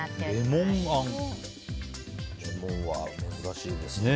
レモンあん、珍しいですね。